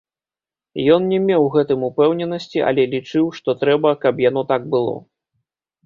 Ён не меў у гэтым упэўненасці, але лічыў, што трэба, каб яно так было.